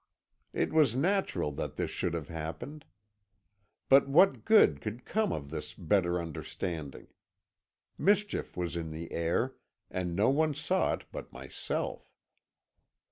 It was natural that this should have happened; but what good could come of this better understanding? Mischief was in the air, and no one saw it but myself.